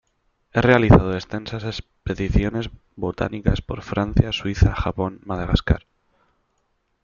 Ha realizado extensas expediciones botánicas por Francia, Suiza, Japón, Madagascar.